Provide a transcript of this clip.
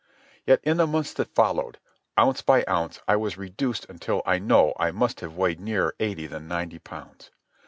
Yet in the months that followed, ounce by ounce I was reduced until I know I must have weighed nearer eighty than ninety pounds.